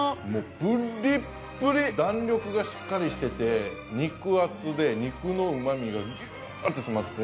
ぷりっぷり、弾力がしっかりしてて肉厚で肉のうまみがギューッと詰まってて。